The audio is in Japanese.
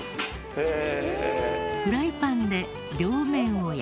「へえ」